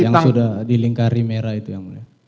yang sudah dilingkari merah itu yang mulia